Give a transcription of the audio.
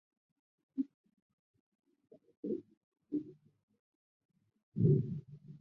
担任北京军区联勤部政委。